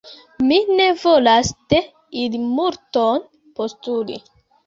Mi ne volas de ili multon postuli.